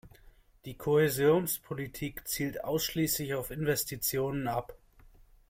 Die Kohäsionspolitik zielt ausschließlich auf Investitionen ab.